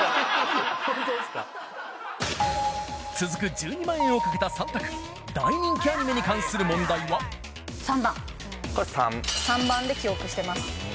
続く１２万円をかけた３択大人気アニメに関する問題は３番これ３３番で記憶してます